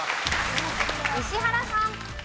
石原さん。